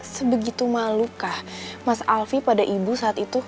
sebegitu malukah mas alvi pada ibu saat itu